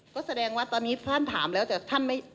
ก็แสดงว่าตอนนี้ท่านถามแล้วแต่ท่านไม่